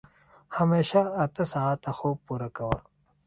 همېشه اته ساعته خوب پوره کوه.